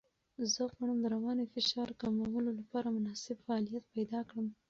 زه غواړم د رواني فشار کمولو لپاره مناسب فعالیت پیدا کړم.